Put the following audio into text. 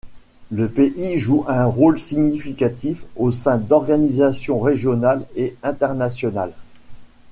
Le pays joue un rôle significatif au sein d'organisations régionales et internationales.